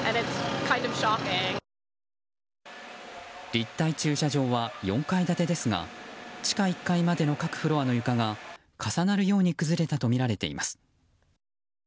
立体駐車場は４階建てですが地下１階までの各フロアの床が重なるように崩れたとみられています。